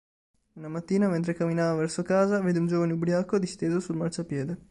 Una mattina, mentre cammina verso casa, vede un giovane ubriaco disteso sul marciapiede.